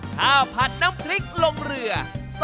ข้าวผัดน้ำพริกลงเรือ